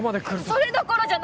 それどころじゃない！